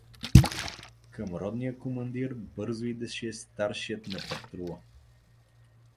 Към ротния командир бързо идеше старшият на патрула.